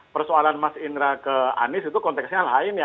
persoalan mas indra ke anies itu konteksnya lain ya